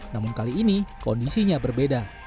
namun kali ini kondisinya berbeda